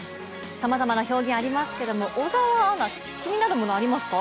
さまざまな表現がありますけど、小沢アナ、気になるものありますか？